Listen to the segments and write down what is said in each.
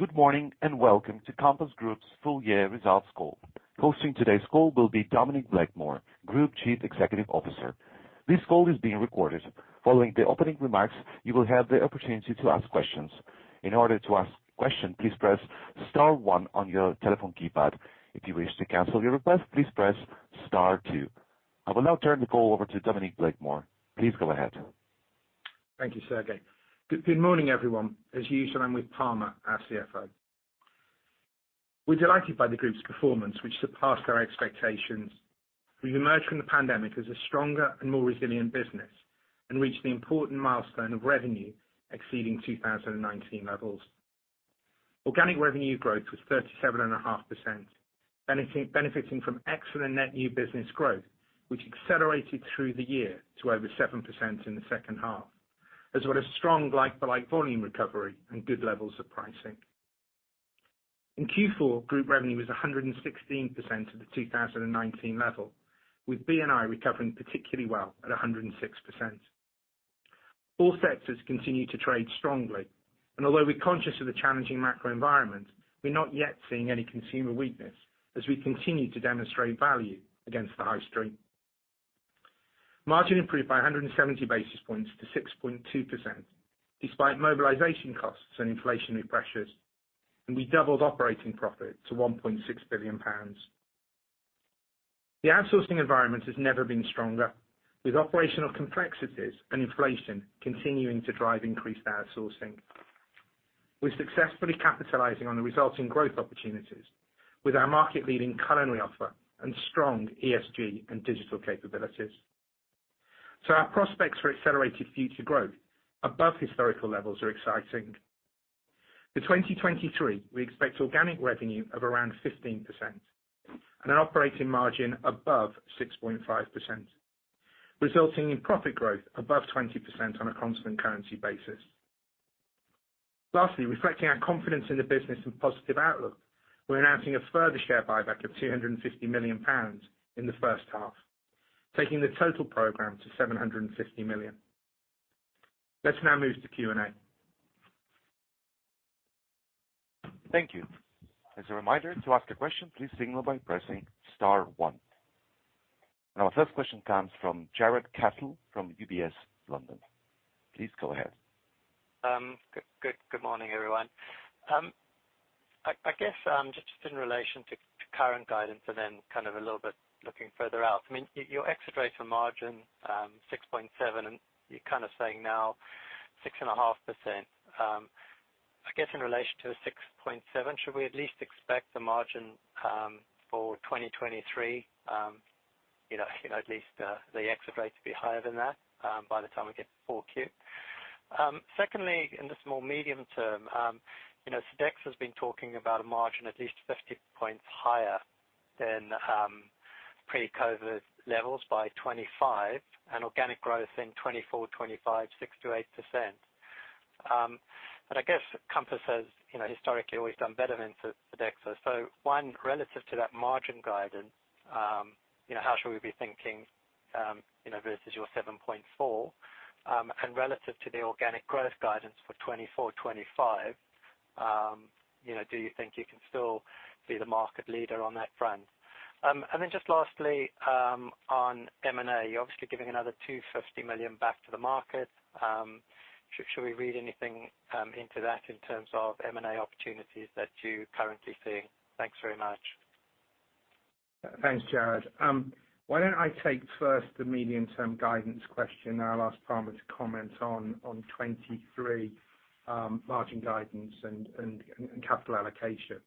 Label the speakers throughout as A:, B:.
A: Good morning, and welcome to Compass Group's Full Year Results Call. Hosting today's call will be Dominic Blakemore, Group Chief Executive Officer. This call is being recorded. Following the opening remarks, you will have the opportunity to ask questions. In order to ask question, please press star one on your telephone keypad. If you wish to cancel your request, please press star two. I will now turn the call over to Dominic Blakemore. Please go ahead.
B: Thank you, Sergey. Good morning, everyone. As usual, I'm with Palmer, our CFO. We're delighted by the group's performance, which surpassed our expectations. Reached the important milestone of revenue exceeding 2019 levels. Organic revenue growth was 37.5%, benefiting from excellent net new business growth, which accelerated through the year-to-over 7% in the 2nd half, as well as strong like-for-like volume recovery and good levels of pricing. In Q4, group revenue was 116% of the 2019 level, with B&I recovering particularly well at 106%. All sectors continue to trade strongly. Although we're conscious of the challenging macro environment, we're not yet seeing any consumer weakness as we continue to demonstrate value against the high street. Margin improved by 170 basis points to 6.2% despite mobilization costs and inflationary pressures. We doubled operating profit to 1.6 billion pounds. The outsourcing environment has never been stronger, with operational complexities and inflation continuing to drive increased outsourcing. We're successfully capitalizing on the resulting growth opportunities with our market-leading culinary offer and strong ESG and digital capabilities. Our prospects for accelerated future growth above historical levels are exciting. In 2023, we expect organic revenue of around 15% and an operating margin above 6.5%, resulting in profit growth above 20% on a constant currency basis. Lastly, reflecting our confidence in the business and positive outlook, we're announcing a further share buyback of 250 million pounds in the 1st half, taking the total program to 750 million. Let's now move to Q&A.
A: Thank you. As a reminder, to ask a question, please signal by pressing star one. Our first question comes from Jarrod Castle from UBS, London. Please go ahead.
C: Good morning, everyone. I guess, just in relation to current guidance and then kind of a little bit looking further out, I mean, your exit rate for margin, 6.7%, and you're kind of saying now 6.5%. I guess in relation to the 6.7%, should we at least expect the margin for 2023, you know, at least the exit rate to be higher than that by the time we get to 4Q? Secondly, in the small medium term, you know, Sodexo's been talking about a margin at least 50 points higher than pre-COVID levels by 2025 and organic growth in 2024, 2025, 6%-8%. I guess Compass has, you know, historically always done better than Sodexo. One, relative to that margin guidance, you know, how should we be thinking, you know, versus your 7.4%, and relative to the organic growth guidance for 2024, 2025, you know, do you think you can still be the market leader on that front? Just lastly, on M&A, you're obviously giving another 250 million back to the market. Should we read anything into that in terms of M&A opportunities that you're currently seeing? Thanks very much.
B: Thanks, Jarrod. Why don't I take first the medium-term guidance question, and I'll ask Palmer to comment on 2023 margin guidance and capital allocation.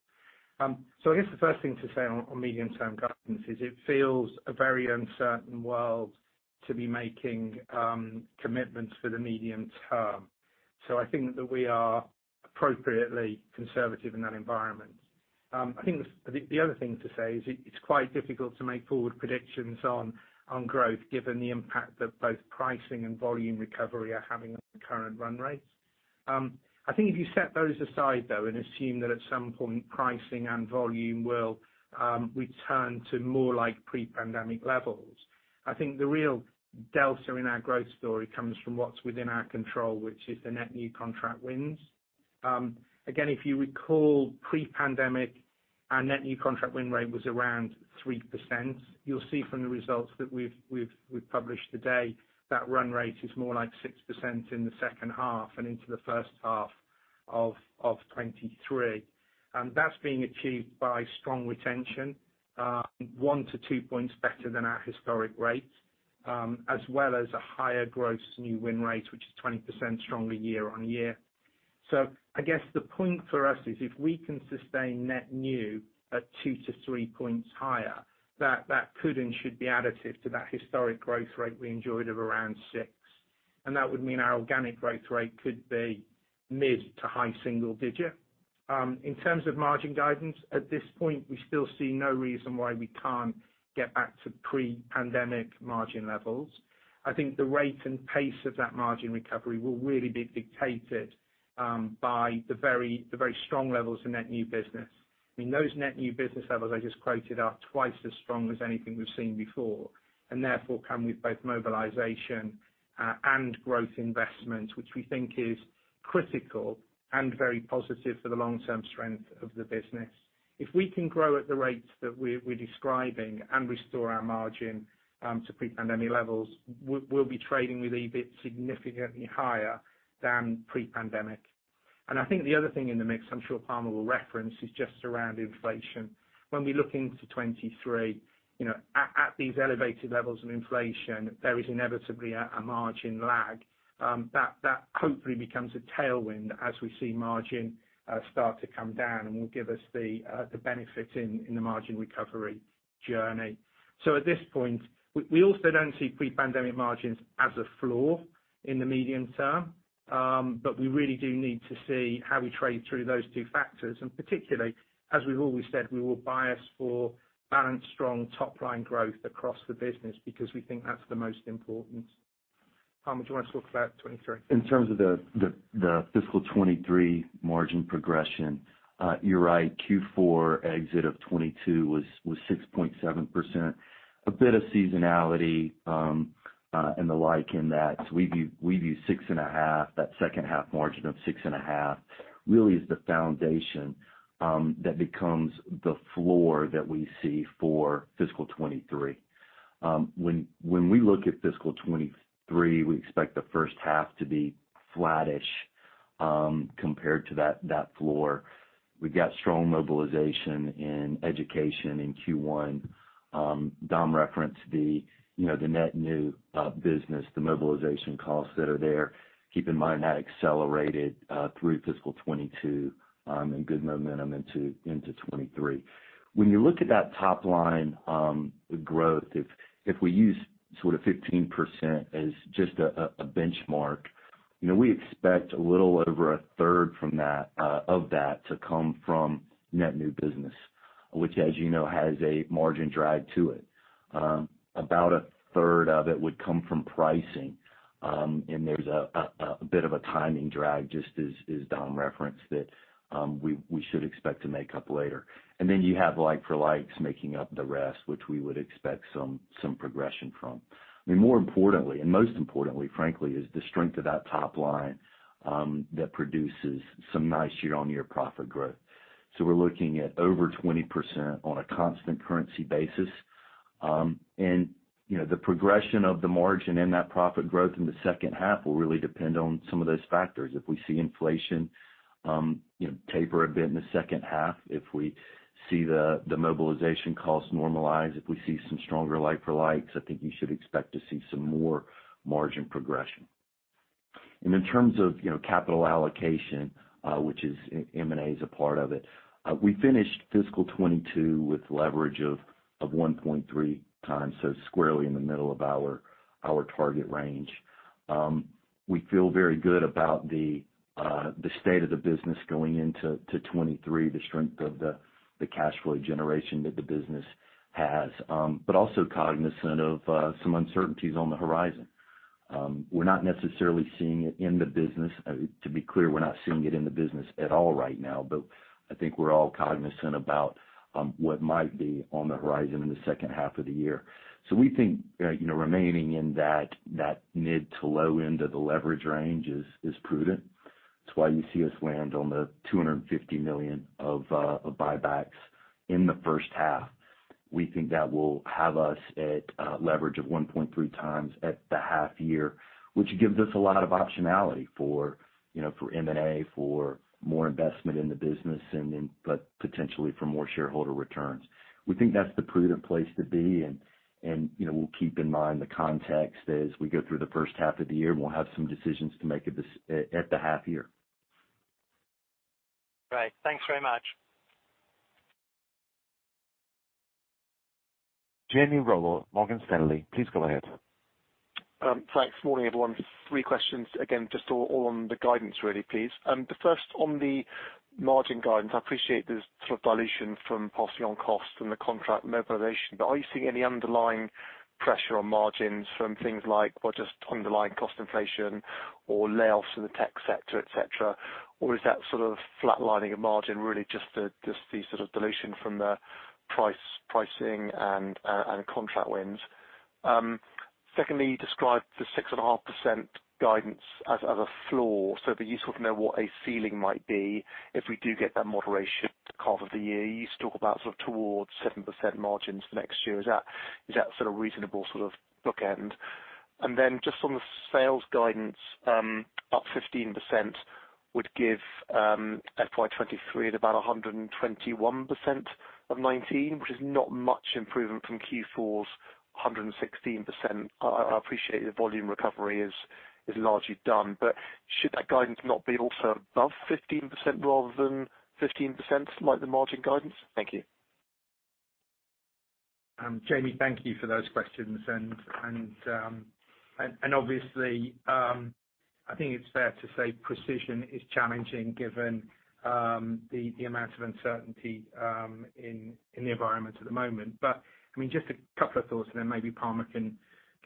B: I guess the first thing to say on medium-term guidance is it feels a very uncertain world to be making commitments for the medium term. I think that we are appropriately conservative in that environment. I think the other thing to say is it's quite difficult to make forward predictions on growth given the impact that both pricing and volume recovery are having on the current run rates. I think if you set those aside though, and assume that at some point pricing and volume will return to more like pre-pandemic levels, I think the real delta in our growth story comes from what's within our control, which is the net new contract wins. Again, if you recall pre-pandemic, our net new contract win rate was around 3%. You'll see from the results that we've published today, that run rate is more like 6% in the 2nd half and into the 1st half of 2023. That's being achieved by strong retention, one to two points better than our historic rates, as well as a higher gross new win rate, which is 20% stronger year-on-year. I guess the point for us is if we can sustain net new at two to three points higher, that could and should be additive to that historic growth rate we enjoyed of around 6%. That would mean our organic growth rate could be mid to high single-digit. In terms of margin guidance, at this point, we still see no reason why we can't get back to pre-pandemic margin levels. I think the rate and pace of that margin recovery will really be dictated by the very strong levels of net new business. I mean, those net new business levels I just quoted are twice as strong as anything we've seen before and therefore come with both mobilization and growth investments, which we think is critical and very positive for the long-term strength of the business. If we can grow at the rates that we're describing and restore our margin to pre-pandemic levels, we'll be trading with EBIT significantly higher than pre-pandemic. I think the other thing in the mix, I'm sure Palmer will reference, is just around inflation. When we look into 2023, you know, at these elevated levels of inflation, there is inevitably a margin lag that hopefully becomes a tailwind as we see margin start to come down and will give us the benefit in the margin recovery journey. At this point, we also don't see pre-pandemic margins as a floor in the medium term. We really do need to see how we trade through those two factors. Particularly, as we've always said, we will bias for balanced, strong top line growth across the business because we think that's the most important. Palmer, do you wanna talk about 2023?
D: In terms of the fiscal 2023 margin progression, you're right, Q4 exit of 2022 was 6.7%. A bit of seasonality and the like in that. We view 6.5%, that 2nd half margin of 6.5% really is the foundation that becomes the floor that we see for fiscal 2023. When we look at fiscal 2023, we expect the 1st half to be flattish compared to that floor. We've got strong mobilization in education in Q1. Dom referenced the, you know, the net new business, the mobilization costs that are there. Keep in mind, that accelerated through fiscal 2022 and good momentum into 2023. When you look at that top line, growth, if we use sort of 15% as just a benchmark, you know, we expect a little over a third from that, of that to come from net new business, which, as you know, has a margin drag to it. About a third of it would come from pricing. There's a, a bit of a timing drag, just as Dom referenced that, we should expect to make up later. Then you have like for likes making up the rest, which we would expect some progression from. I mean, more importantly and most importantly, frankly, is the strength of that top line, that produces some nice year-on-year profit growth. We're looking at over 20% on a constant currency basis. You know, the progression of the margin and that profit growth in the 2nd half will really depend on some of those factors. If we see inflation, you know, taper a bit in the 2nd half, if we see the mobilization costs normalize, if we see some stronger like for likes, I think you should expect to see some more margin progression. In terms of, you know, capital allocation, which is M&A is a part of it, we finished fiscal 2022 with leverage of 1.3x, so squarely in the middle of our target range. We feel very good about the state of the business going into 2023, the strength of the cash flow generation that the business has, but also cognizant of some uncertainties on the horizon. We're not necessarily seeing it in the business. To be clear, we're not seeing it in the business at all right now, but I think we're all cognizant about what might be on the horizon in the 2nd half of the year. We think, you know, remaining in that mid to low end of the leverage range is prudent. It's why you see us land on the 250 million of buybacks in the 1st half. We think that will have us at leverage of 1.3x at the half year, which gives us a lot of optionality for, you know, for M&A, for more investment in the business potentially for more shareholder returns. We think that's the prudent place to be and, you know, we'll keep in mind the context as we go through the 1st half of the year, and we'll have some decisions to make at this at the half year.
C: Great. Thanks very much.
A: Jamie Rollo, Morgan Stanley, please go ahead.
E: Thanks. Morning, everyone. three questions again, just all on the guidance really, please. The first on the margin guidance, I appreciate there's sort of dilution from passing on costs and the contract mobilization. But are you seeing any underlying pressure on margins from things like, well, just underlying cost inflation or layoffs in the tech sector, et cetera? Or is that sort of flatlining of margin really just the, just the sort of dilution from the price, pricing and contract wins? Secondly, you described the 6.5% guidance as a floor, so it'd be useful to know what a ceiling might be if we do get that moderation half of the year. You used to talk about sort of towards 7% margins for next year. Is that, is that sort of reasonable sort of bookend? Just on the sales guidance, up 15% would give FY 2023 at about 121% of 2019, which is not much improvement from Q4's 116%. I appreciate the volume recovery is largely done, but should that guidance not be also above 15% rather than 15%, like the margin guidance? Thank you.
B: Jamie, thank you for those questions. I think it's fair to say precision is challenging given the amount of uncertainty in the environment at the moment. I mean, just a couple of thoughts and then maybe Palmer can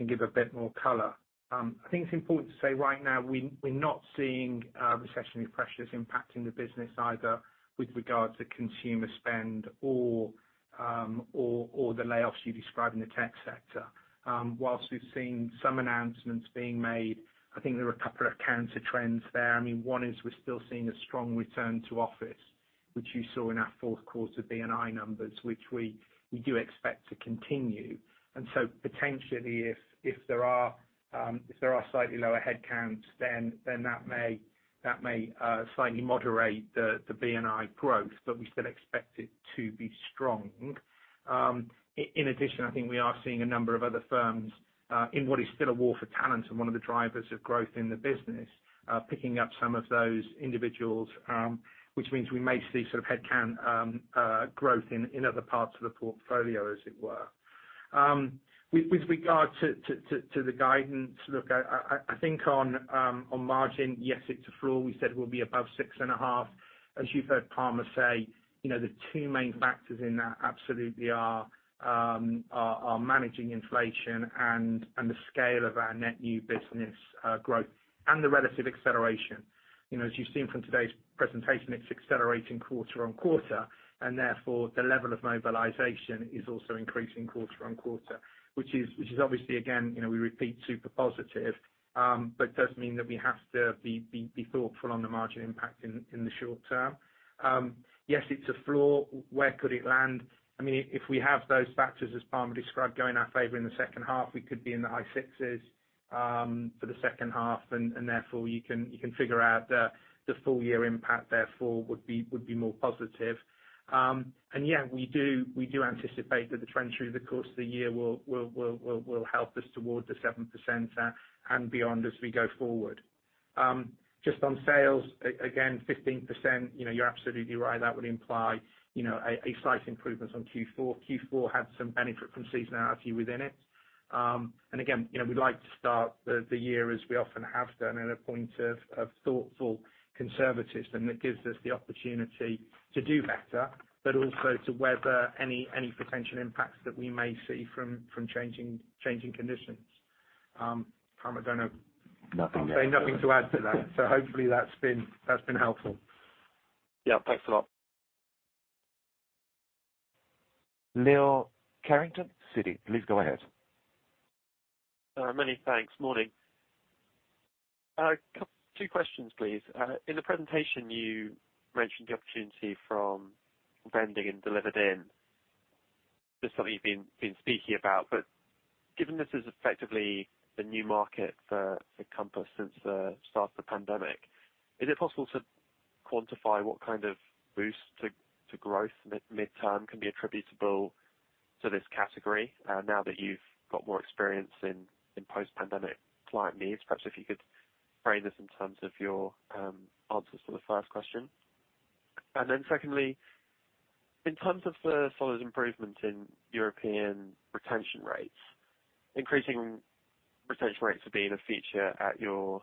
B: give a bit more color. I think it's important to say right now we're not seeing recessionary pressures impacting the business either with regard to consumer spend or the layoffs you described in the tech sector. Whilst we've seen some announcements being made, I think there are a couple of counter trends there. I mean, one is we're still seeing a strong return to office, which you saw in our 4th quarter B&I numbers, which we do expect to continue. Potentially if there are slightly lower headcounts, then that may slightly moderate the B&I growth, but we still expect it to be strong. In addition, I think we are seeing a number of other firms in what is still a war for talent and one of the drivers of growth in the business, picking up some of those individuals, which means we may see sort of headcount growth in other parts of the portfolio, as it were. With regard to the guidance, look, I think on margin, yes, it's a floor. We said we'll be above 6.5%. As you've heard Palmer say, you know, the two main factors in that absolutely are managing inflation and the scale of our net new business growth and the relative acceleration. You know, as you've seen from today's presentation, it's accelerating quarter-on-quarter, and therefore the level of mobilization is also increasing quarter-on-quarter. Which is obviously again, you know, we repeat super positive, but it does mean that we have to be thoughtful on the margin impact in the short term. Yes, it's a floor. Where could it land? If we have those factors, as Palmer described, going our favor in the 2nd half, we could be in the high sixes, for the 2nd half, and therefore you can figure out the full year impact therefore would be more positive. Yeah, we do anticipate that the trend through the course of the year will help us toward the 7%, and beyond as we go forward. Just on sales, again, 15%, you know, you're absolutely right. That would imply, you know, a slight improvements on Q4. Q4 had some benefit from seasonality within it. Again, you know, we'd like to start the year as we often have done at a point of thoughtful conservatism that gives us the opportunity to do better, but also to weather any potential impacts that we may see from changing conditions. Palmer, I don't know-
D: Nothing
B: Say nothing to add to that. Hopefully that's been helpful.
E: Yeah. Thanks a lot.
A: Leo Carrington, Citi, please go ahead.
F: Many thanks. Morning. Two questions, please. In the presentation, you mentioned the opportunity from vending and delivered in. Just something you've been speaking about. Given this is effectively the new market for Compass since the start of the pandemic, is it possible to quantify what kind of boost to growth midterm can be attributable to this category, now that you've got more experience in post-pandemic client needs? Perhaps if you could frame this in terms of your answers to the first question. Secondly, in terms of the solid improvement in European retention rates, increasing retention rates have been a feature at your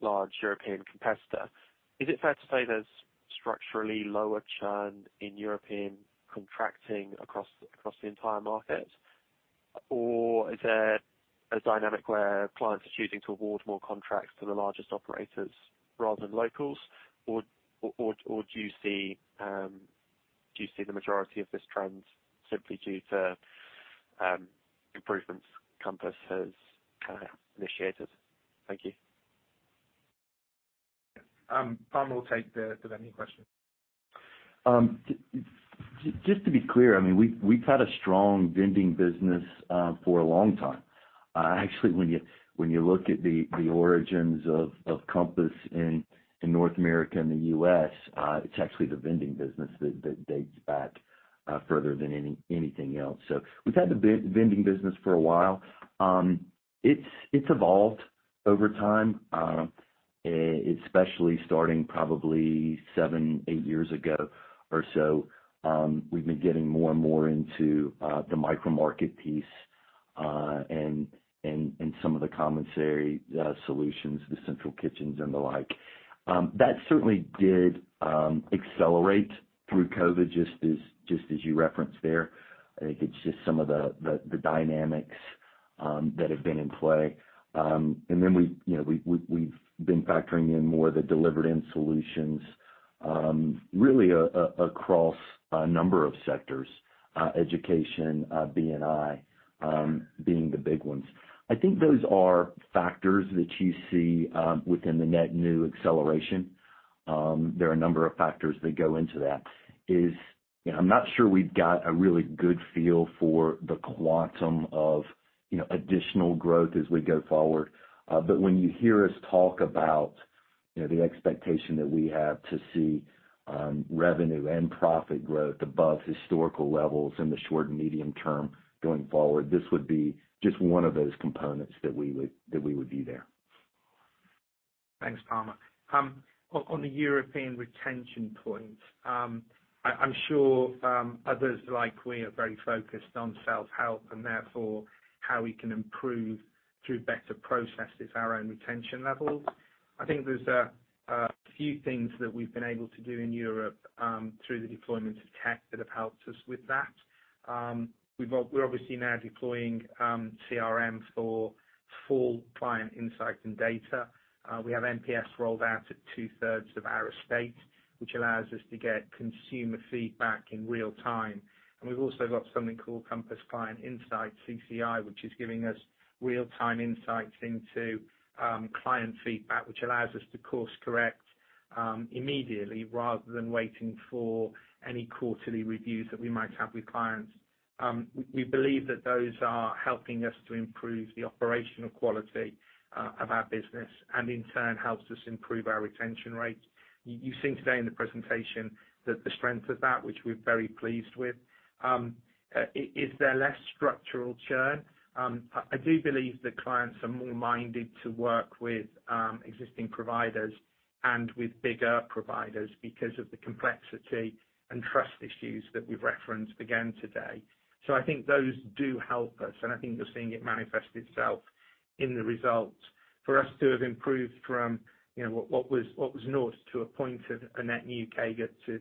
F: large European competitor. Is it fair to say there's structurally lower churn in European contracting across the entire market? Is there a dynamic where clients are choosing to award more contracts to the largest operators rather than locals? Do you see the majority of this trend simply due to improvements Compass has initiated? Thank you.
B: Palmer will take the vending question.
D: Just to be clear, I mean, we've had a strong vending business for a long time. Actually, when you, when you look at the origins of Compass in North America and the U.S., it's actually the vending business that dates back further than anything else. We've had the vending business for a while. It's evolved over time, especially starting probably seven, eight years ago or so. We've been getting more and more into the micromarket piece and some of the commissary solutions, the central kitchens and the like. That certainly did accelerate through COVID just as you referenced there. I think it's just some of the dynamics that have been in play. Then we, you know, we've been factoring in more the delivered in solutions, really across a number of sectors, education, B&I, being the big ones. I think those are factors that you see within the net new acceleration. There are a number of factors that go into that. You know, I'm not sure we've got a really good feel for the quantum of, you know, additional growth as we go forward. When you hear us talk about, you know, the expectation that we have to see revenue and profit growth above historical levels in the short and medium term going forward, this would be just one of those components that we would be there.
B: Thanks, Palmer. On the European retention point, I'm sure others like we are very focused on self-help. How we can improve through better processes our own retention levels. I think there's a few things that we've been able to do in Europe through the deployment of tech that have helped us with that. We're obviously now deploying CRM for full client insight and data. We have NPS rolled out at 2/3 of our estate, which allows us to get consumer feedback in real time. We've also got something called Compass Client Insight, CCI, which is giving us real-time insights into client feedback, which allows us to course correct immediately rather than waiting for any quarterly reviews that we might have with clients. We believe that those are helping us to improve the operational quality of our business and in turn helps us improve our retention rate. You've seen today in the presentation the strength of that which we're very pleased with. Is there less structural churn? I do believe that clients are more minded to work with existing providers and with bigger providers because of the complexity and trust issues that we've referenced again today. I think those do help us, and I think you're seeing it manifest itself in the results. For us to have improved from, you know, what was zero to a point of a net new 4%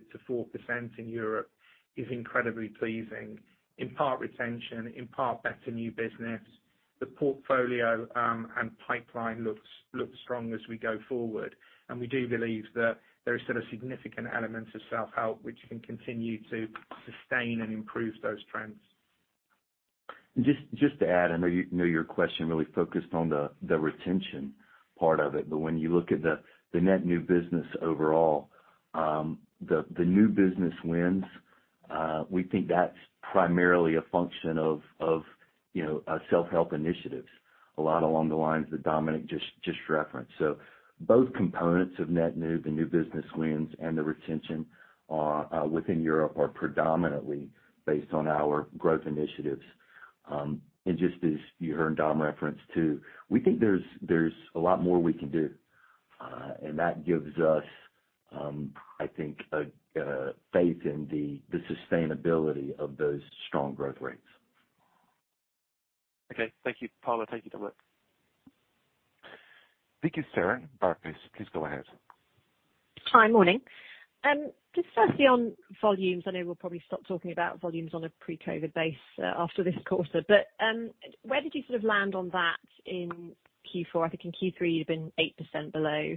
B: in Europe is incredibly pleasing. In part retention, in part better new business. The portfolio and pipeline looks strong as we go forward. We do believe that there are still significant elements of self-help which can continue to sustain and improve those trends.
D: Just to add, I know your question really focused on the retention part of it, but when you look at the net new business overall, the new business wins, we think that's primarily a function of, you know, self-help initiatives, a lot along the lines that Dominic just referenced. Both components of net new, the new business wins and the retention within Europe are predominantly based on our growth initiatives. Just as you heard Dom reference too, we think there's a lot more we can do, and that gives us, I think, a faith in the sustainability of those strong growth rates.
B: Okay. Thank you. Palmer, take it away.
A: Vicki Stern, Barclays, please go ahead.
G: Hi. Morning. Just firstly on volumes, I know we'll probably stop talking about volumes on a pre-COVID base, after this quarter, but where did you sort of land on that in Q4? I think in Q3 you'd been 8% below.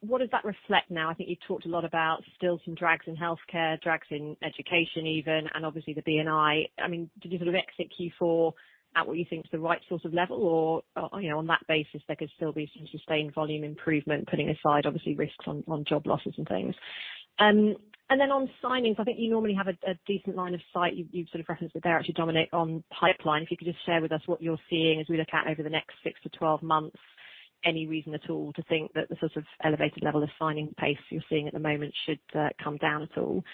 G: What does that reflect now? I think you've talked a lot about still some drags in healthcare, drags in education even, and obviously the B&I. I mean, did you sort of exit Q4 at what you think is the right sort of level? Or, you know, on that basis, there could still be some sustained volume improvement, putting aside obviously risks on job losses and things? Then on signings, I think you normally have a decent line of sight. You've sort of referenced that there actually, Dominic, on pipeline. If you could just share with us what you're seeing as we look out over the next six to 12 months, any reason at all to think that the sort of elevated level of signing pace you're seeing at the moment should come down at all?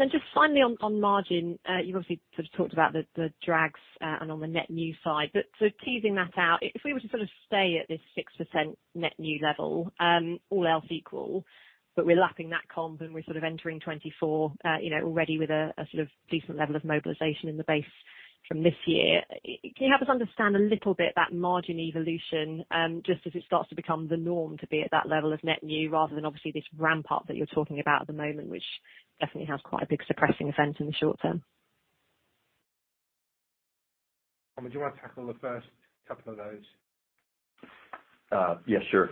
G: Then just finally on margin, you've obviously sort of talked about the drags and on the net new side. Teasing that out, if we were to sort of stay at this 6% net new level, all else equal, but we're lapping that comp and we're sort of entering 2024, you know, already with a sort of decent level of mobilization in the base from this year, can you help us understand a little bit that margin evolution, just as it starts to become the norm to be at that level of net new, rather than obviously this ramp up that you're talking about at the moment, which definitely has quite a big suppressing effect in the short term?
B: Palmer, would you wanna tackle the first couple of those?
D: Yeah, sure.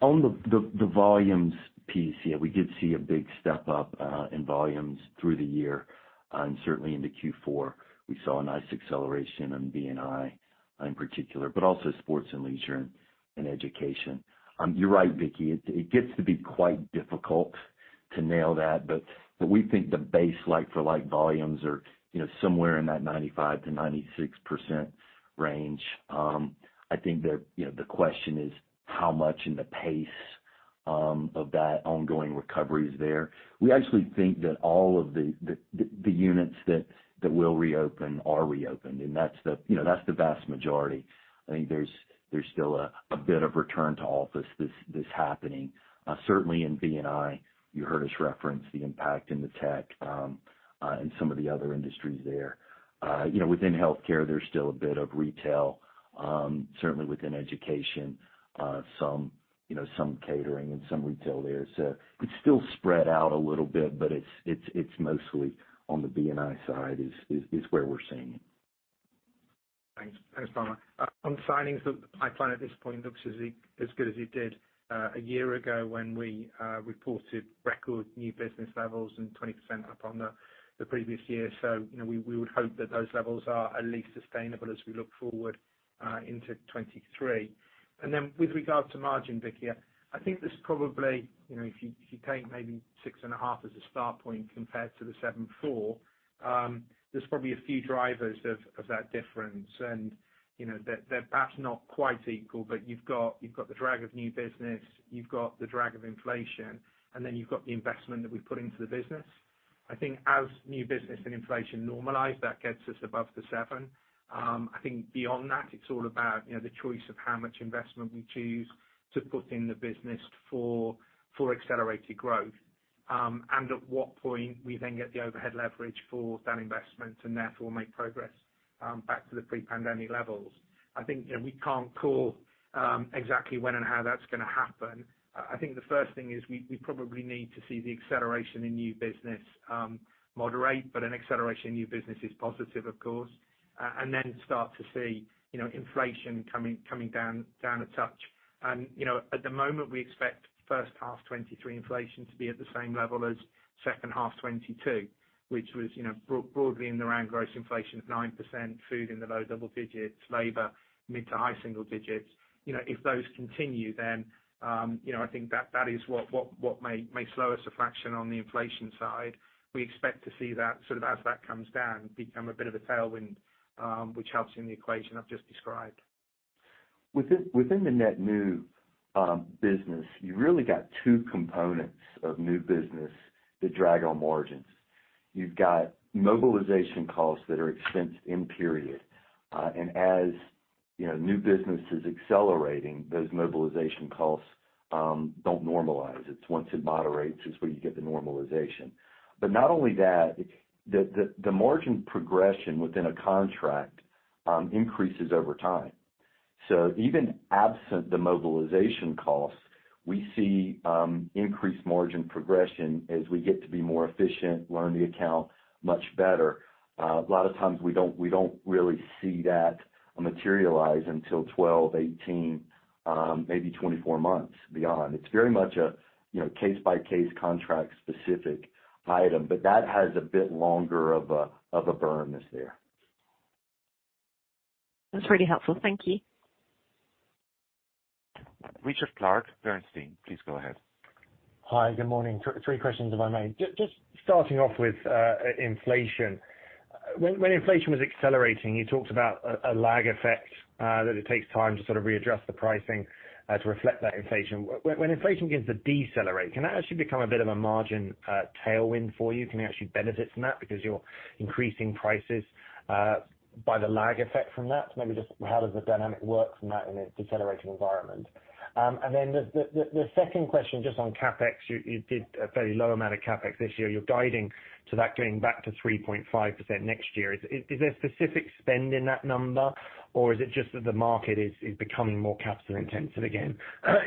D: On the volumes piece, yeah, we did see a big step up in volumes through the year. Certainly into Q4, we saw a nice acceleration in B&I in particular, but also sports and leisure and education. You're right, Vicki. It gets to be quite difficult to nail that, but we think the base like for like volumes are, you know, somewhere in that 95%-96% range. I think that, you know, the question is how much in the pace of that ongoing recovery is there. We actually think that all of the units that will reopen are reopened, and that's the, you know, that's the vast majority. I think there's still a bit of return to office that's happening. Certainly in B&I, you heard us reference the impact in the tech and some of the other industries there. You know, within healthcare, there's still a bit of retail. Certainly within education, some, you know, some catering and some retail there. It's still spread out a little bit, but it's mostly on the B&I side is where we're seeing it.
B: Thanks. Thanks, Palmer. On signings, the pipeline at this point looks as good as it did a year ago when we reported record new business levels and 20% up on the previous year. You know, we would hope that those levels are at least sustainable as we look forward into 2023. With regard to margin, Vicki, I think there's probably, you know, if you take maybe 6.5% as a start point compared to the 7.4%, there's probably a few drivers of that difference. You know, they're perhaps not quite equal, but you've got the drag of new business, you've got the drag of inflation, and then you've got the investment that we've put into the business. I think as new business and inflation normalize, that gets us above the 7%. I think beyond that, it's all about, you know, the choice of how much investment we choose to put in the business for accelerated growth. At what point we then get the overhead leverage for that investment and therefore make progress back to the pre-pandemic levels. I think that we can't call exactly when and how that's gonna happen. I think the first thing is we probably need to see the acceleration in new business moderate, but an acceleration in new business is positive, of course. Start to see, you know, inflation coming down a touch. You know, at the moment, we expect 1st half 2023 inflation to be at the same level as 2nd half 2022, which was, you know, broadly in the range gross inflation of 9%, food in the low double digits, labor, mid to high single digits. You know, if those continue, then, you know, I think that is what may slow us a fraction on the inflation side. We expect to see that sort of as that comes down, become a bit of a tailwind, which helps in the equation I've just described.
D: Within the net new business, you really got two components of new business that drag on margins. You've got mobilization costs that are expensed in period. As, you know, new business is accelerating, those mobilization costs don't normalize. It's once it moderates is where you get the normalization. Not only that, the margin progression within a contract increases over time. Even absent the mobilization costs, we see increased margin progression as we get to be more efficient, learn the account much better. A lot of times we don't really see that materialize until 12, 18, maybe 24 months beyond. It's very much a, you know, case-by-case contract specific item, but that has a bit longer of a burn that's there.
G: That's really helpful. Thank you.
A: Richard Clarke, Bernstein, please go ahead.
H: Hi, good morning. Three questions, if I may. Just starting off with inflation. When inflation was accelerating, you talked about a lag effect that it takes time to sort of readdress the pricing to reflect that inflation. When inflation begins to decelerate, can that actually become a bit of a margin tailwind for you? Can you actually benefit from that because you're increasing prices by the lag effect from that? Maybe just how does the dynamic work from that in a decelerating environment? The second question just on CapEx, you did a fairly low amount of CapEx this year. You're guiding to that going back to 3.5% next year. Is there specific spend in that number, or is it just that the market is becoming more capital intensive again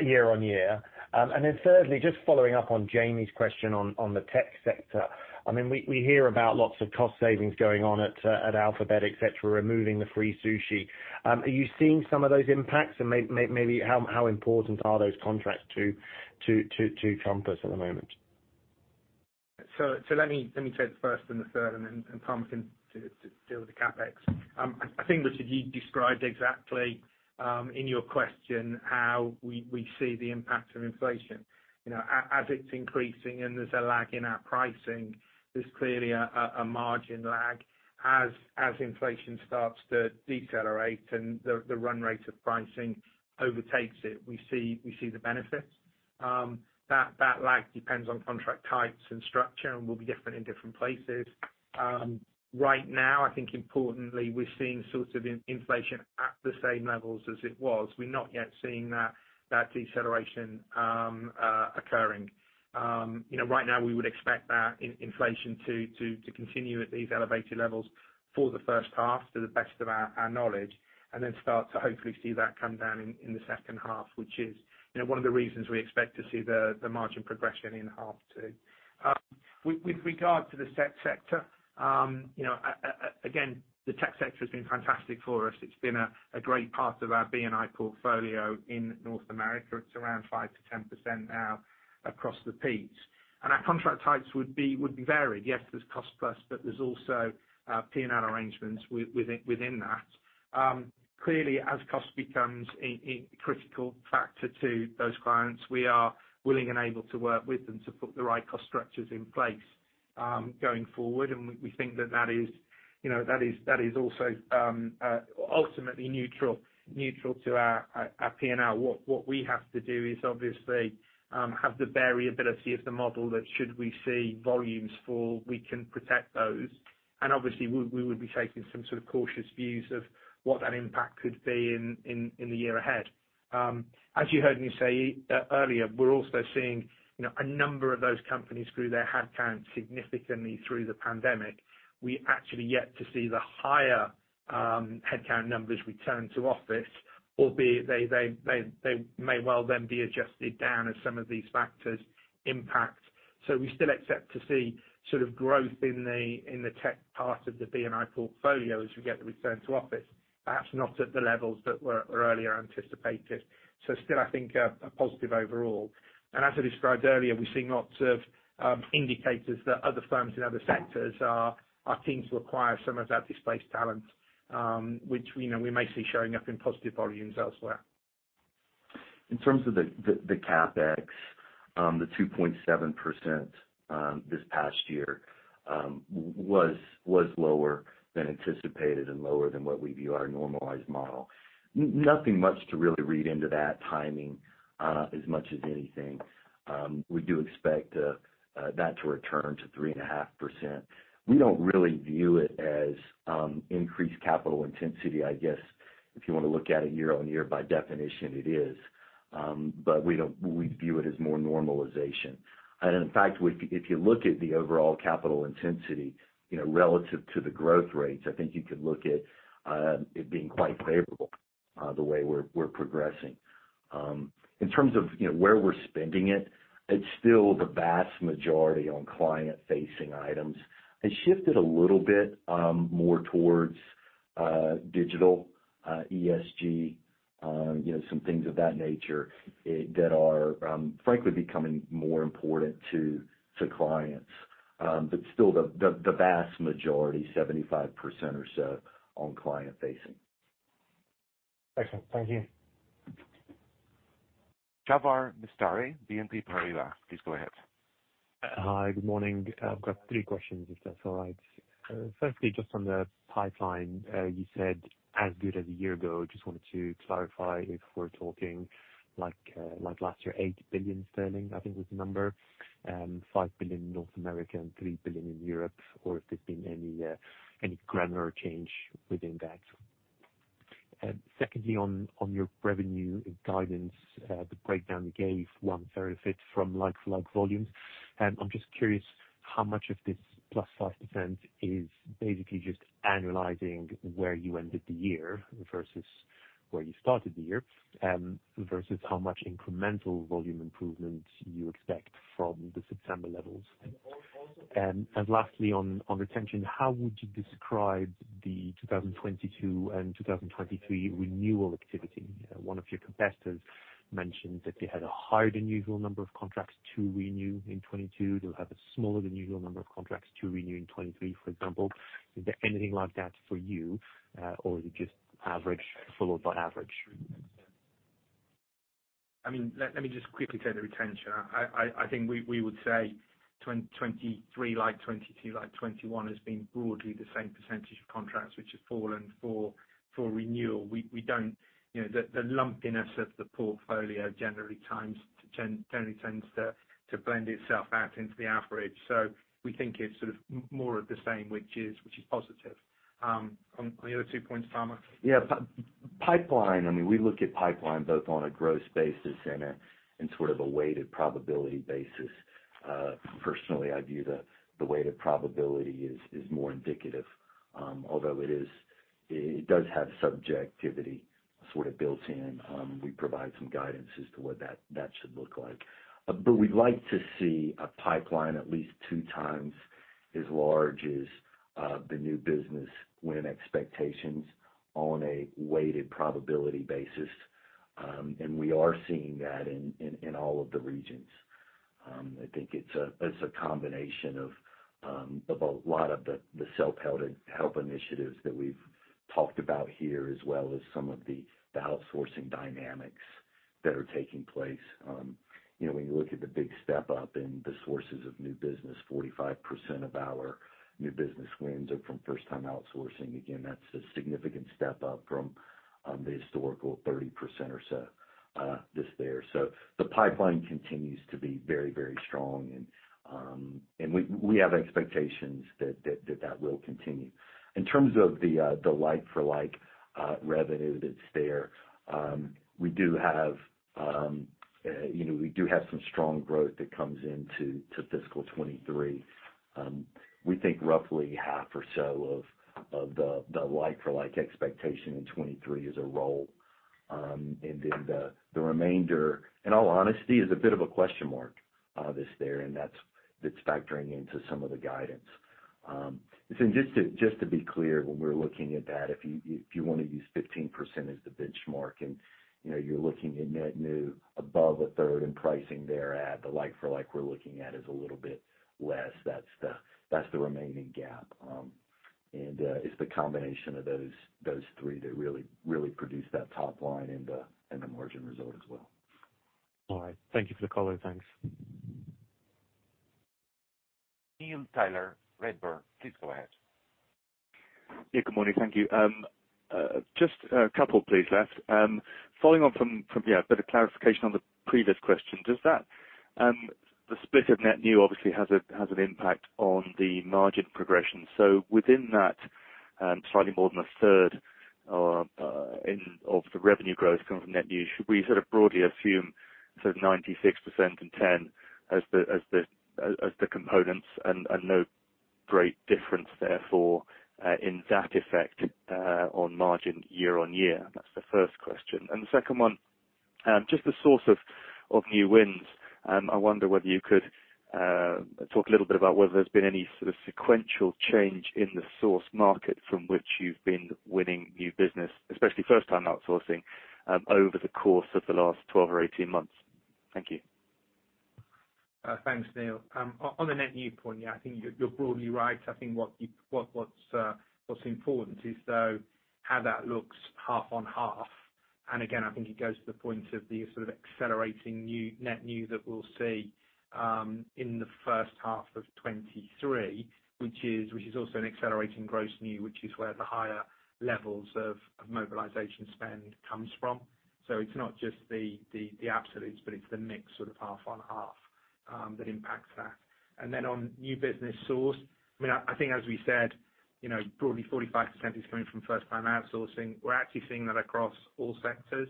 H: year-on-year? Then thirdly, just following up on Jamie's question on the tech sector. I mean, we hear about lots of cost savings going on at Alphabet, et cetera, removing the free sushi. Are you seeing some of those impacts? Maybe how important are those contracts to growth at the moment?
B: Let me take the first and the third, and then Palmer can deal with the CapEx. I think, Richard, you described exactly in your question how we see the impact of inflation. You know, as it's increasing and there's a lag in our pricing, there's clearly a margin lag. As inflation starts to decelerate and the run rate of pricing overtakes it, we see the benefits. That lag depends on contract types and structure and will be different in different places. Right now, I think importantly, we're seeing sorts of in-inflation at the same levels as it was. We're not yet seeing that deceleration occurring. You know, right now we would expect that inflation to continue at these elevated levels for the 1st half to the best of our knowledge, and then start to hopefully see that come down in the 2nd half, which is, you know, one of the reasons we expect to see the margin progression in half two. With regard to the tech sector, you know, again, the tech sector has been fantastic for us. It's been a great part of our B&I portfolio in North America. It's around 5%-10% now across the piece. Our contract types would be varied. Yes, there's cost-plus, but there's also P&L arrangements within that. Clearly, as cost becomes a critical factor to those clients, we are willing and able to work with them to put the right cost structures in place, going forward. We think that that is, you know, that is also ultimately neutral to our P&L. What we have to do is obviously have the variability of the model that should we see volumes fall, we can protect those. Obviously, we would be taking some sort of cautious views of what that impact could be in the year ahead. As you heard me say earlier, we're also seeing, you know, a number of those companies grew their headcount significantly through the pandemic. We actually yet to see the higher headcount numbers return to office, albeit they may well then be adjusted down as some of these factors impact. We still expect to see sort of growth in the tech part of the B&I portfolio as we get the return to office, perhaps not at the levels that were earlier anticipated. Still, I think a positive overall. As I described earlier, we're seeing lots of indicators that other firms in other sectors are keen to acquire some of that displaced talent, which, you know, we may see showing up in positive volumes elsewhere.
D: In terms of the CapEx, the 2.7% this past year was lower than anticipated and lower than what we view our normalized model. Nothing much to really read into that timing as much as anything. We do expect that to return to 3.5%. We don't really view it as increased capital intensity. I guess if you wanna look at it year-on-year by definition, it is. We view it as more normalization. In fact, if you look at the overall capital intensity, you know, relative to the growth rates, I think you could look at it being quite favorable the way we're progressing. In terms of, you know, where we're spending it's still the vast majority on client-facing items. It shifted a little bit, more towards digital, ESG, you know, some things of that nature that are, frankly becoming more important to clients. Still the vast majority, 75% or so on client facing.
H: Excellent. Thank you.
A: Jaafar Mestari, BNP Paribas, please go ahead.
I: Hi. Good morning. I've got three questions, if that's all right. Firstly, just on the pipeline, you said as good as a year ago. Just wanted to clarify if we're talking like last year, 8 billion sterling, I think was the number. 5 billion in North America and 3 billion in Europe, or if there's been any granular change within that. Secondly, on your revenue guidance, the breakdown you gave 1/3 of it from like-for-like volumes. I'm just curious how much of this +5% is basically just annualizing where you ended the year versus where you started the year, versus how much incremental volume improvement you expect from the September levels. Lastly, on retention, how would you describe the 2022 and 2023 renewal activity? One of your competitors mentioned that they had a higher than usual number of contracts to renew in 2022. They'll have a smaller than usual number of contracts to renew in 2023, for example. Is there anything like that for you, or is it just average followed by average?
B: I mean, let me just quickly take the retention. I think we would say 2023, like 2022, like 2021, has been broadly the same percentage of contracts which have fallen for renewal. We don't, you know, the lumpiness of the portfolio generally tends to blend itself out into the average. We think it's sort of more of the same, which is positive. On the other two points, Palmer?
D: Yeah. Pipeline, I mean, we look at pipeline both on a gross basis and sort of a weighted probability basis. personally, I view the weighted probability is more indicative, although it does have subjectivity sort of built in. We provide some guidance as to what that should look like. We'd like to see a pipeline at least 2x as large as the new business win expectations on a weighted probability basis. We are seeing that in all of the regions. I think it's a combination of a lot of the self-help initiatives that we've talked about here, as well as some of the outsourcing dynamics that are taking place. You know, when you look at the big step up in the sources of new business, 45% of our new business wins are from first time outsourcing. Again, that's a significant step up from the historical 30% or so that's there. The pipeline continues to be very, very strong and we have expectations that will continue. In terms of the like for like revenue that's there, you know, we do have some strong growth that comes into to fiscal 2023. We think roughly half or so of the like for like expectation in 2023 is a roll. The remainder, in all honesty, is a bit of a question mark that's there, and that's factoring into some of the guidance. Just to be clear, when we're looking at that, if you wanna use 15% as the benchmark and, you know, you're looking at net new above a third in pricing there at the like for like we're looking at is a little bit less. That's the remaining gap. It's the combination of those three that really produce that top line and the margin result as well.
I: All right. Thank you for the color. Thanks.
A: Neil Tyler, Redburn, please go ahead.
J: Yeah, good morning. Thank you. Just a couple please, Les. Following on from, yeah, a bit of clarification on the previous question. Does that the split of net new obviously has an impact on the margin progression. Within that, slightly more than a third of the revenue growth coming from net new, should we sort of broadly assume sort of 96% and 10% as the components and no great difference therefore, in that effect, on margin year-on-year? That's the first question. The second one, just the source of new wins. I wonder whether you could talk a little bit about whether there's been any sort of sequential change in the source market from which you've been winning new business, especially first time outsourcing, over the course of the last 12 or 18 months. Thank you.
B: Thanks, Neil. On the net new point, yeah, I think you're broadly right. I think what's important is though how that looks half-on-half. Again, I think it goes to the point of the sort of accelerating net new that we'll see in the 1st half of 2023, which is also an accelerating gross new, which is where the higher levels of mobilization spend comes from. It's not just the absolutes, but it's the mix sort of half-on-half that impacts that. Then on new business source, I mean, I think as we said. You know, broadly 45% is coming from first-time outsourcing. We're actually seeing that across all sectors.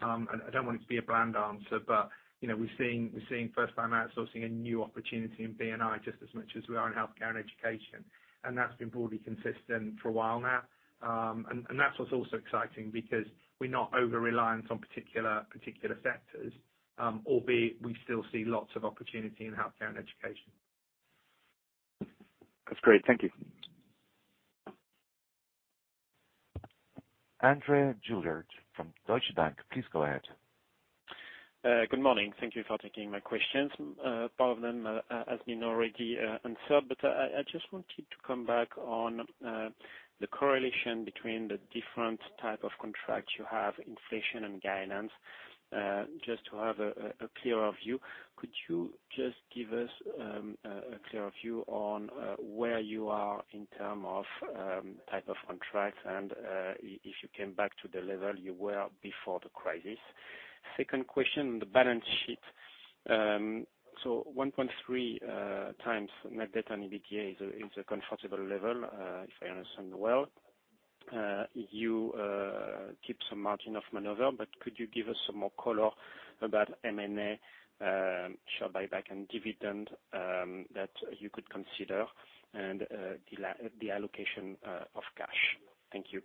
B: I don't want it to be a brand answer, but, you know, we're seeing first-time outsourcing a new opportunity in B&I just as much as we are in healthcare and education. That's been broadly consistent for a while now. That's what's also exciting because we're not over-reliant on particular sectors, albeit we still see lots of opportunity in healthcare and education.
J: That's great. Thank you.
A: Andrea Tonnelone from Deutsche Bank, please go ahead.
K: Good morning. Thank you for taking my questions. Part of them has been already answered. I just wanted to come back on the correlation between the different type of contracts you have, inflation and guidance, just to have a clearer view. Could you just give us a clearer view on where you are in term of type of contracts and if you came back to the level you were before the crisis? Second question, the balance sheet. 1.3x net debt and EBITDA is a comfortable level if I understand well. You keep some margin of maneuver, could you give us some more color about M&A, share buyback and dividend that you could consider and the allocation of cash? Thank you.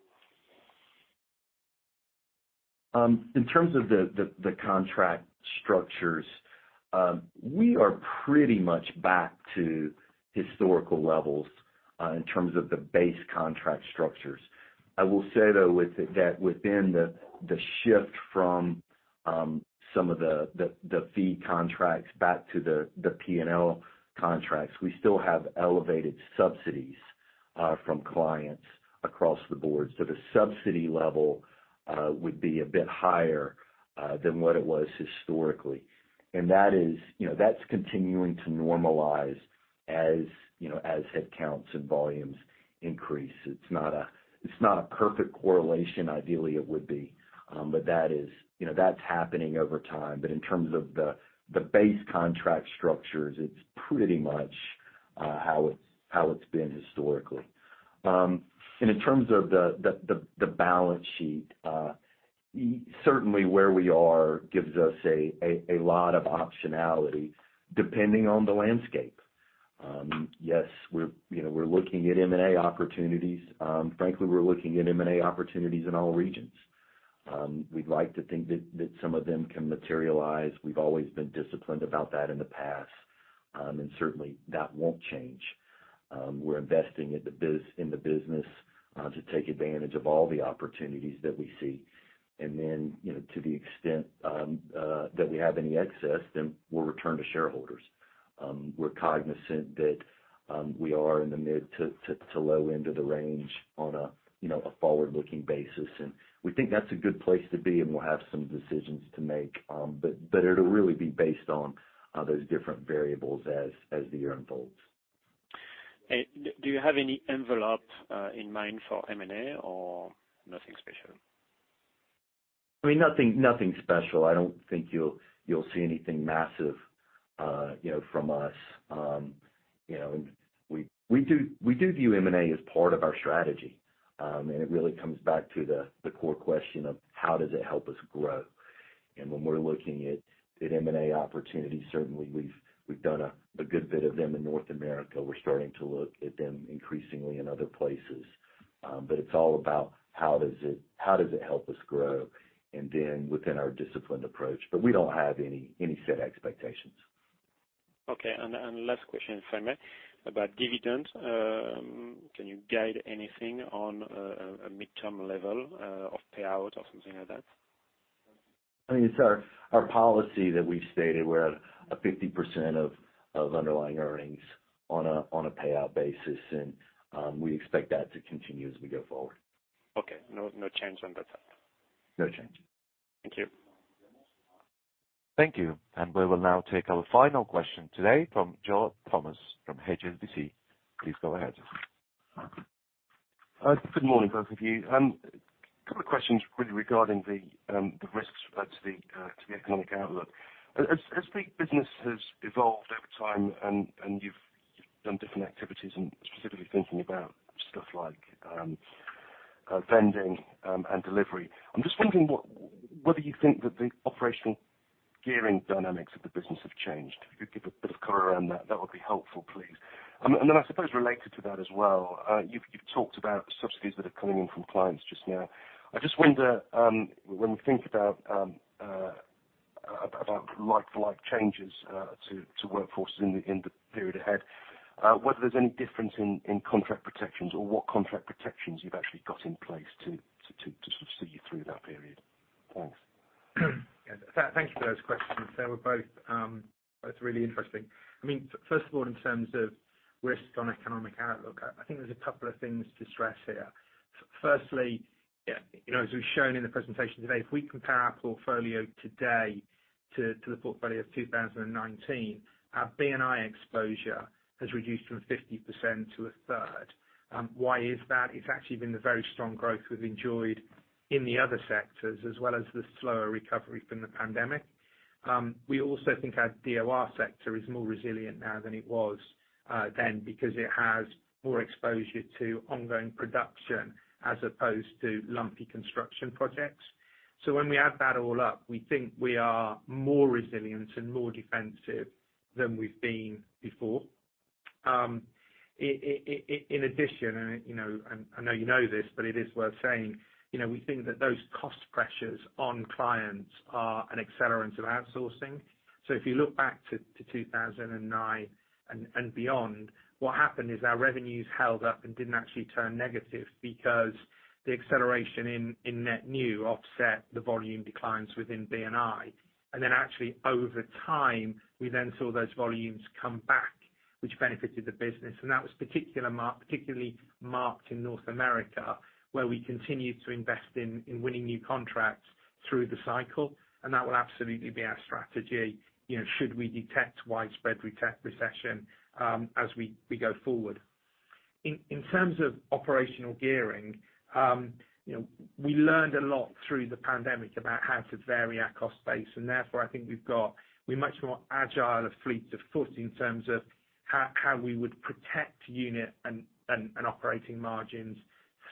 D: In terms of the contract structures, we are pretty much back to historical levels in terms of the base contract structures. I will say, though, with that, within the shift from some of the fee contracts back to the P&L contracts, we still have elevated subsidies from clients across the board. The subsidy level would be a bit higher than what it was historically. That is, you know, that's continuing to normalize as, you know, as headcounts and volumes increase. It's not a perfect correlation. Ideally, it would be. That is, you know, that's happening over time. In terms of the base contract structures, it's pretty much how it's been historically. In terms of the balance sheet, certainly where we are gives us a lot of optionality, depending on the landscape. Yes, we're, you know, we're looking at M&A opportunities. Frankly, we're looking at M&A opportunities in all regions. We'd like to think that some of them can materialize. We've always been disciplined about that in the past, certainly that won't change. We're investing in the business to take advantage of all the opportunities that we see. Then, you know, to the extent that we have any excess, then we'll return to shareholders. We're cognizant that we are in the mid to low end of the range on a forward-looking basis, and we think that's a good place to be, and we'll have some decisions to make. It'll really be based on those different variables as the year unfolds.
K: Do you have any envelope in mind for M&A or nothing special?
D: I mean, nothing special. I don't think you'll see anything massive, you know, from us. You know, we do view M&A as part of our strategy. It really comes back to the core question of how does it help us grow. When we're looking at M&A opportunities, certainly we've done a good bit of them in North America. We're starting to look at them increasingly in other places. It's all about how does it help us grow and then within our disciplined approach. We don't have any set expectations.
K: Okay. Last question, if I may, about dividends. Can you guide anything on a midterm level of payout or something like that?
D: I mean, it's our policy that we've stated we're at a 50% of underlying earnings on a payout basis, and we expect that to continue as we go forward.
K: Okay. No, no change on that side.
D: No change.
K: Thank you.
A: Thank you. We will now take our final question today from Joe Thomas from HSBC. Please go ahead.
L: Good morning, both of you. Couple of questions really regarding the risks related to the economic outlook. As big business has evolved over time and you've done different activities, and specifically thinking about stuff like vending and delivery, I'm just wondering what, whether you think that the operational gearing dynamics of the business have changed. If you could give a bit of color around that would be helpful, please. I suppose related to that as well, you've talked about subsidies that are coming in from clients just now. I just wonder, when we think about like-for-like changes, to workforces in the period ahead, whether there's any difference in contract protections or what contract protections you've actually got in place to sort of see you through that period. Thanks.
B: Yeah. Thank you for those questions. They were both really interesting. I mean, first of all, in terms of risk on economic outlook, I think there's a couple of things to stress here. Firstly, you know, as we've shown in the presentation today, if we compare our portfolio today to the portfolio of 2019, our B&I exposure has reduced from 50% to 1/3. Why is that? It's actually been the very strong growth we've enjoyed in the other sectors, as well as the slower recovery from the pandemic. We also think our DOR sector is more resilient now than it was then because it has more exposure to ongoing production as opposed to lumpy construction projects. When we add that all up, we think we are more resilient and more defensive than we've been before. In addition, you know, and I know you know this, but it is worth saying, you know, we think that those cost pressures on clients are an accelerant of outsourcing. If you look back to 2009 and beyond, what happened is our revenues held up and didn't actually turn negative because the acceleration in net new offset the volume declines within B&I. Actually, over time, we then saw those volumes come back, which benefited the business. That was particularly marked in North America, where we continued to invest in winning new contracts through the cycle, and that will absolutely be our strategy, you know, should we detect widespread recession, as we go forward. In terms of operational gearing, you know, we learned a lot through the pandemic about how to vary our cost base, and therefore, I think We're much more agile of fleet of foot in terms of how we would protect unit and operating margins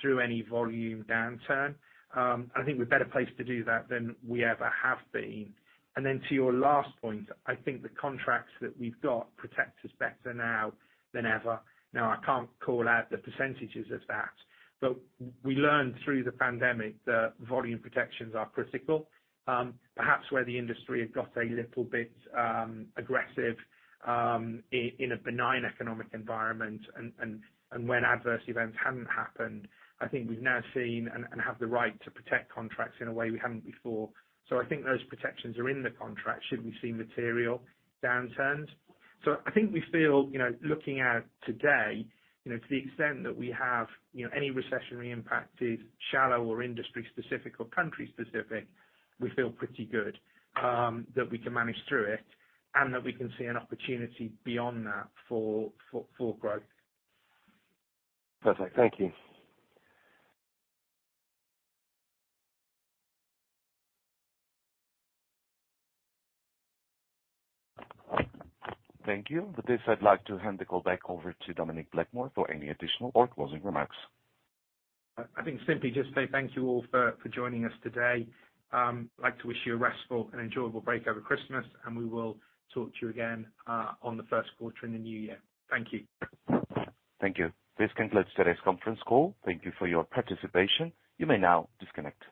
B: through any volume downturn. I think we're better placed to do that than we ever have been. To your last point, I think the contracts that we've got protect us better now than ever. I can't call out the percentages of that, but we learned through the pandemic that volume protections are critical. Perhaps where the industry had got a little bit aggressive, in a benign economic environment and when adverse events hadn't happened, I think we've now seen and have the right to protect contracts in a way we haven't before. I think those protections are in the contract should we see material downturns. I think we feel, you know, looking out today, you know, to the extent that we have, you know, any recessionary impact is shallow or industry-specific or country-specific, we feel pretty good that we can manage through it, and that we can see an opportunity beyond that for growth.
L: Perfect. Thank you.
A: Thank you. With this, I'd like to hand the call back over to Dominic Blakemore for any additional or closing remarks.
B: I think simply just say thank you all for joining us today. I'd like to wish you a restful and enjoyable break over Christmas. We will talk to you again on the 1st quarter in the new year. Thank you.
A: Thank you. This concludes today's conference call. Thank you for your participation. You may now disconnect.